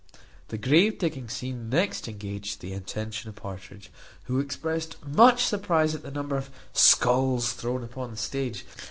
The grave digging scene next engaged the attention of Partridge, who expressed much surprize at the number of skulls thrown upon the stage.